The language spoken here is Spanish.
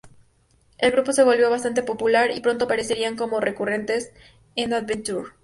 El grupo se volvió bastante popular, y pronto aparecerían como recurrentes en "Adventure".